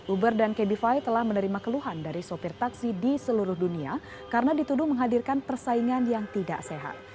uber dan kby telah menerima keluhan dari sopir taksi di seluruh dunia karena dituduh menghadirkan persaingan yang tidak sehat